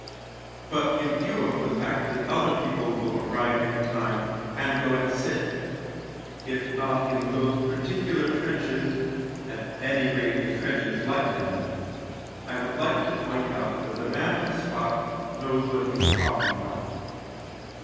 But, in view of the fact that other people will arrive in time and go and sit — if not in those particular trenches, at any rate in trenches like them — I would like to point out that the man on the spot knows what he's talking about.